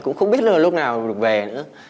cũng không biết lúc nào được về nữa